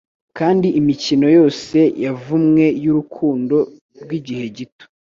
Kandi imikino yose yavumwe y'urukundo rwigihe gito